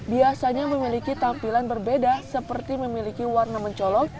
biasanya memiliki tampilan berbeda seperti memiliki warna mencolok